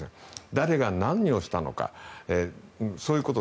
誰が何をしたのかそういうこと。